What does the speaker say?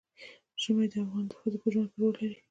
ژمی د افغان ښځو په ژوند کې رول لري.